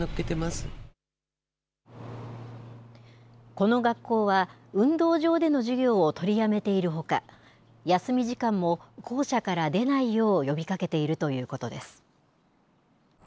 この学校は運動場での授業を取りやめているほか、休み時間も校舎から出ないよう呼びかけているということです。